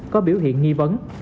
có biểu hiện nghi vấn